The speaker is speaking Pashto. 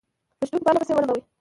په شيدو يې پرله پسې ولمبوي